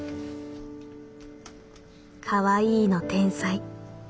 「かわいいの天才。